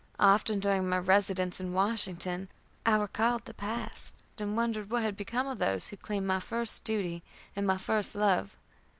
Often, during my residence in Washington, I recalled the past, and wondered what had become of those who claimed my first duty and my first love.